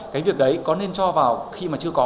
cái việc đấy có nên cho vào khi mà chưa có